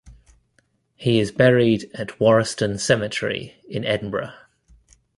He is buried at Warriston Cemetery in Edinburgh.